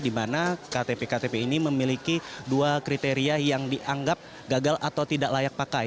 di mana ktp ktp ini memiliki dua kriteria yang dianggap gagal atau tidak layak pakai